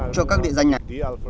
cho các địa danh này